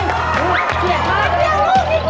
อีกนิดเดียวอีกนิดเดียว